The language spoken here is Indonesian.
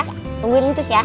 tungguin ncus ya